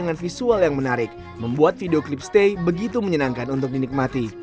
dan visual yang menarik membuat video klip stay begitu menyenangkan untuk dinikmati